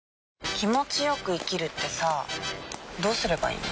気持ちよく生きるってさどうすればいいの？